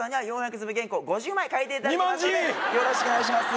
よろしくお願いします